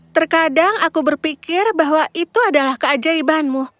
terkadang aku berpikir bahwa itu adalah keajaibanmu